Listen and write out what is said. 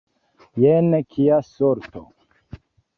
Jen kia sorto!